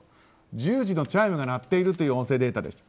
１０時のチャイムが鳴っている音声データでした。